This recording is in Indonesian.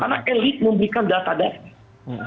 karena elit memberikan data data